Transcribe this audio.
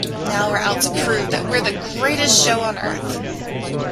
Now we're out to prove that we're the greatest show on earth.